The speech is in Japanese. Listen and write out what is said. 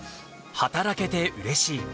働けてうれしい。